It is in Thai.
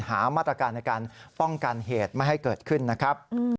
หามาตรการในการป้องกันเหตุไม่ให้เกิดขึ้นนะครับ